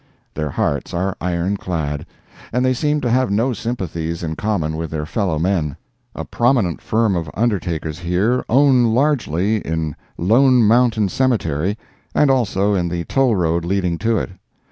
Their hearts are ironclad, and they seem to have no sympathies in common with their fellow men. A prominent firm of undertakers here own largely in Lone Mountain Cemetery and also in the toll road leading to it.